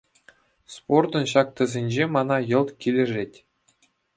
Спортӑн ҫак тӗсӗнче мана йӑлт килӗшет.